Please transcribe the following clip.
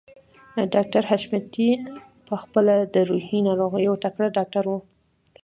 ډاکټر حشمتي په خپله د روحي ناروغيو يو تکړه ډاکټر و.